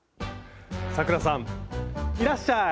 咲楽さんいらっしゃい！